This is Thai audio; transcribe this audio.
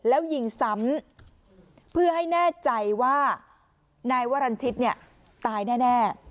แล้วยิงซ้ำเพื่อให้แน่ใจว่านายวรรณชิตเนี่ยตายแน่